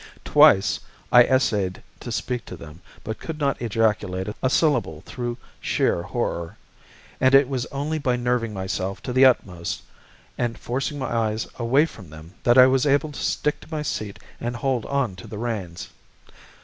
Twice I essayed to speak to them, but could not ejaculate a syllable through sheer horror, and it was only by nerving myself to the utmost, and forcing my eyes away from them, that I was able to stick to my seat and hold on to the reins.